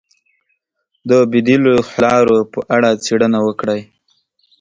د بدیلو حل لارو په اړه څېړنه وکړئ.